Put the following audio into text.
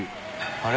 あれ？